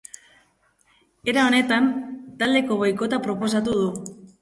Era honetan, taldeko boikota proposatu du.